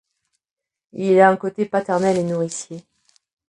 Il a un côté paternel et nourricier.